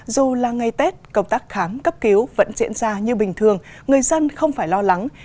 dù là ngày tết công tác khám cấp cứu vẫn diễn ra như bình thường người dân không phải lo lắng